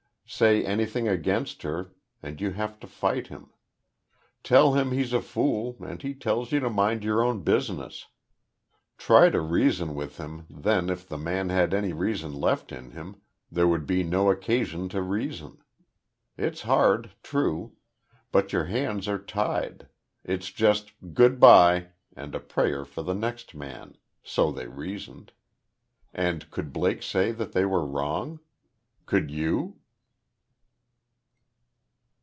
Say anything against her, and you have to fight him. Tell him he's a fool and he tells you to mind your own business. Try to reason with him, then? If the man had any reason left in him, there would be no occasion to reason. It's hard, true. But your hands are tied. It's just, "Good bye," and a prayer for the next man.... So they reasoned. And could Blake say that they were wrong? ... Could you?